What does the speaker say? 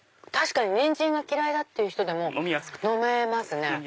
確かにニンジンが嫌いだっていう人でも飲めますね。